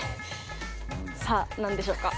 さあ何でしょうか？